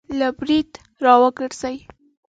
له برید را وګرځي